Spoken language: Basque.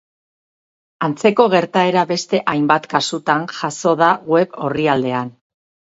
Antzeko gertaera beste hainbat kasutan jazo da web orrialdean.